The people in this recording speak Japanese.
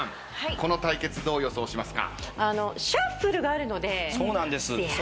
この対決どう予想しますか？